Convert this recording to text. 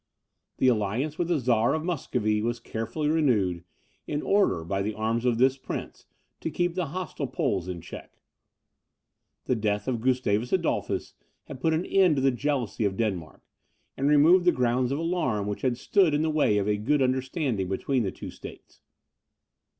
The alliance with the Czar of Muscovy was carefully renewed, in order, by the arms of this prince, to keep the hostile Poles in check. The death of Gustavus Adolphus had put an end to the jealousy of Denmark, and removed the grounds of alarm which had stood in the way of a good understanding between the two states.